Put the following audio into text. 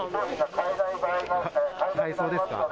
買えそうですか？